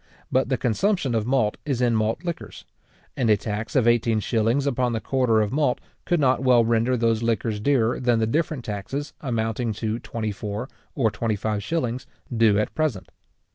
But the consumption of malt is in malt liquors; and a tax of eighteen shillings upon the quarter of malt could not well render those liquors dearer than the different taxes, amounting to twenty four or twenty five shillings, do at present.